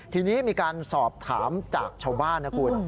ทีนี้มีการสอบถามจากชาวบ้านนะคุณ